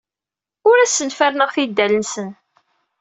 Ur asen-ferrneɣ tidal-nsen.